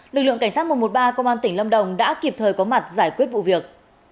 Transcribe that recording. lực lượng cảnh sát một trăm một mươi ba công an tỉnh lâm đồng đã kịp thời có mặt giải quyết vụ việc